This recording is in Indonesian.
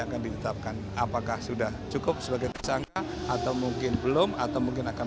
akan ditetapkan apakah sudah cukup sebagai tersangka atau mungkin belum atau mungkin akan